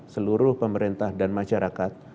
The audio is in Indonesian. seluruh pemerintah dan masyarakat